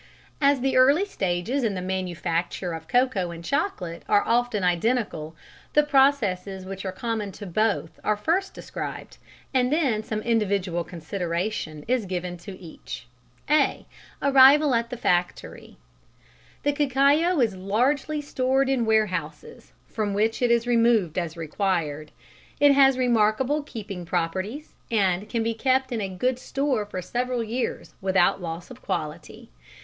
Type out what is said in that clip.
As the early stages in the manufacture of cocoa and of chocolate are often identical, the processes which are common to both are first described, and then some individual consideration is given to each. (a) Arrival at the Factory. The cacao is largely stored in warehouses, from which it is removed as required. It has remarkable keeping properties, and can be kept in a good store for several years without loss of quality.